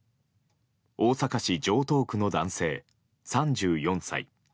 大阪市城東区の男性、３４歳。